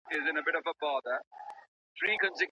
پیروی څنګه خوړل کیږي؟